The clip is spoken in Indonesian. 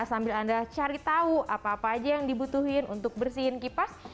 sambil anda cari tahu apa apa aja yang dibutuhin untuk bersihin kipas